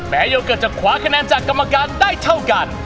โยเกิร์ตจะคว้าคะแนนจากกรรมการได้เท่ากัน